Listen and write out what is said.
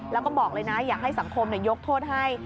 แล้วก็บอกเลยนะอยากให้สังคมยกโทษให้